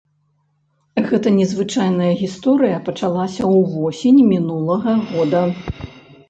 Гэта незвычайная гісторыя пачалася ўвосень мінулага года.